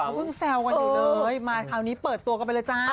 เพิ่งแซวกันอยู่เลยมาคราวนี้เปิดตัวกันไปเลยจ้า